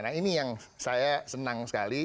nah ini yang saya senang sekali